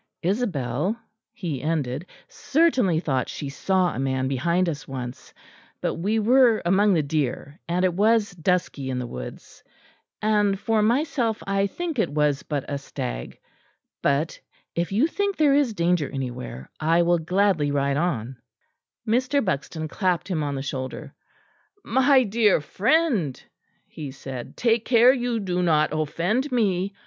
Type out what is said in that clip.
"Isabel," he ended, "certainly thought she saw a man behind us once; but we were among the deer, and it was dusky in the woods; and, for myself, I think it was but a stag. But, if you think there is danger anywhere, I will gladly ride on." Mr. Buxton clapped him on the shoulder. "My dear friend," he said, "take care you do not offend me.